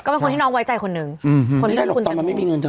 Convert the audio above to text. ก็เป็นคนที่น้องไว้ใจคนนึงอืมไม่ได้หรอกตอนมันไม่มีเงินเถอะ